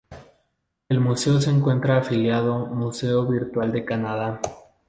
El museo se encuentra afiliado Museo virtual de Canadá.